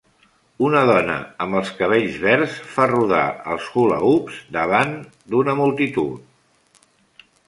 Una dona amb el cabells verds fa rodar els hula-hoops davant d'una multitud.